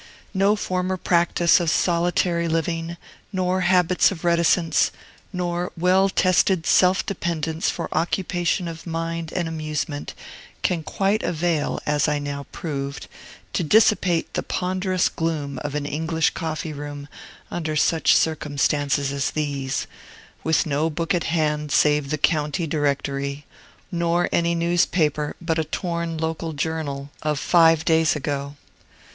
No former practice of solitary living, nor habits of reticence, nor well tested self dependence for occupation of mind and amusement, can quite avail, as I now proved, to dissipate the ponderous gloom of an English coffee room under such circumstances as these, with no book at hand save the county directory, nor any newspaper but a torn local journal of five days ago.